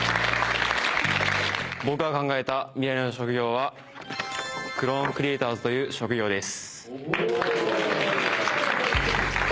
僕が考えた未来の職業はクローンクリエイターズという職業です。